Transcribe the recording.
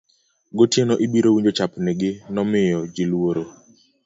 gotieno ibiro winjo chapnigi nomiyo ji lworo